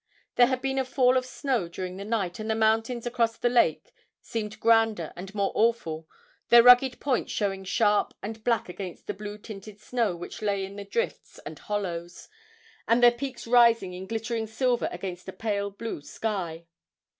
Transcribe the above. There had been a fall of snow during the night, and the mountains across the lake seemed grander and more awful, their rugged points showing sharp and black against the blue tinted snow which lay in the drifts and hollows, and their peaks rising in glittering silver against a pale blue sky.